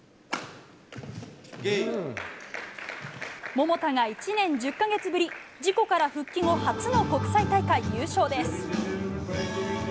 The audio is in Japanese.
桃田が１年１０か月ぶり事故から復帰後初の国際大会優勝です。